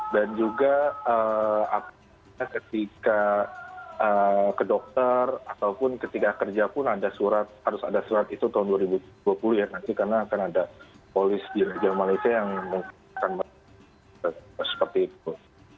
dan juga ketika ke dokter ataupun ketika kerja pun harus ada surat itu tahun dua ribu dua puluh ya nanti karena akan ada polis di negara malaysia yang mengatakan seperti itu